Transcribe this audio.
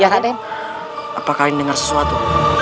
paman apakah ingin dengar sesuatu